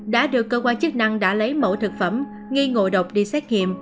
đã được cơ quan chức năng đã lấy mẫu thực phẩm nghi ngộ độc đi xét nghiệm